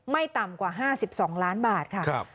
ไม่ต่ำกว่า๕๒ล้านบาทค่ะ